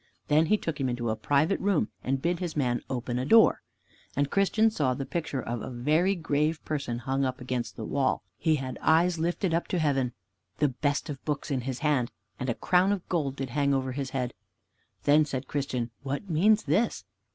Then he took him into a private room, and bid his man open a door. And Christian saw the picture of a very grave person hung up against the wall. He had eyes lifted up to heaven, the best of books in his hand, and a crown of gold did hang over his head. Then said Christian, "What means this?"